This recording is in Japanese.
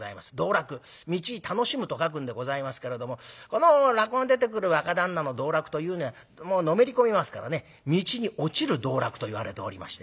道楽しむと書くんでございますけれどもこの落語に出てくる若旦那の道楽というのはのめり込みますからね道に落ちる道落といわれておりましてね。